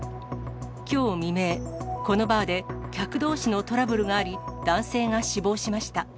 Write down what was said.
きょう未明、このバーで客どうしのトラブルがあり、男性が死亡しました。